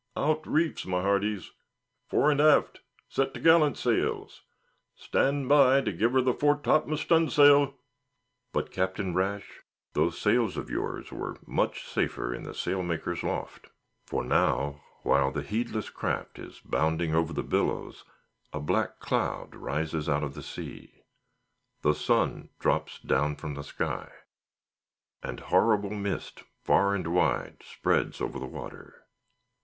"Out reefs, my hearties; fore and aft set t' gallant sails! stand by to give her the fore topmast stun' sail!" But, Captain Rash, those sails of yours were much safer in the sailmaker's loft. For now, while the heedless craft is bounding over the billows, a black cloud rises out of the sea; the sun drops down from the sky; and horrible mist far and wide spreads over the water.